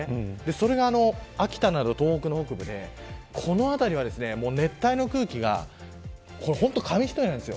それが秋田など東北の北部でこの辺りは熱帯の空気が紙一重なんです。